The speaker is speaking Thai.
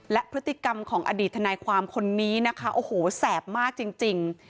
และพฤติกรรมของอดีตทนายความคนนี้นะคะโอ้โหแสบมากจริง